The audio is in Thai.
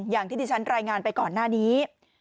อย่างที่ที่ฉันรายงานไปก่อนหน้านี้